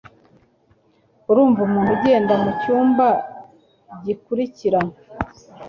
Urumva umuntu ugenda mucyumba gikurikira?